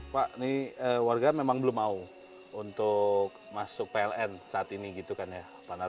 pak ini warga memang belum mau untuk masuk pln saat ini gitu kan ya